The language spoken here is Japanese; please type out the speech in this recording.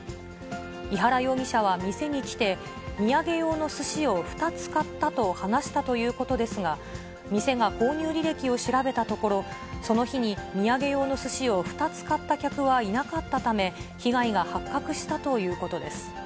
井原容疑者は店に来て、土産用のすしを２つ買ったと話したということですが、店が購入履歴を調べたところ、その日に土産用のすしを２つ買った客はいなかったため、被害が発覚したということです。